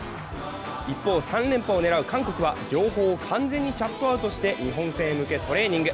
一方、３連覇を狙う韓国は、情報を完全にシャットアウトして日本戦へ向けトレーニング。